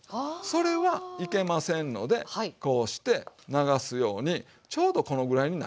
それはいけませんのでこうして流すようにちょうどこのぐらいになったら。